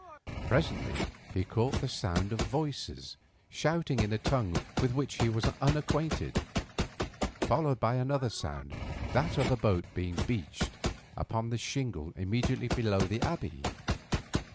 Presently he caught the sound of voices shouting in a tongue with which he was unacquainted, followed by another sound, that of a boat being beached upon the shingle immediately below the Abbey.